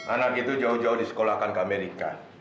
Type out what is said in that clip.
anak itu jauh jauh disekolahkan ke amerika